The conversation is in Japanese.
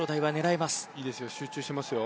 いいですよ。